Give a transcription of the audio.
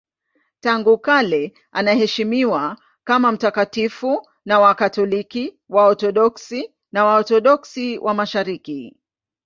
Tangu kale anaheshimiwa kama mtakatifu na Wakatoliki, Waorthodoksi na Waorthodoksi wa Mashariki.